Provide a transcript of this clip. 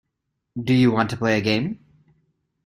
Do you want to play a game.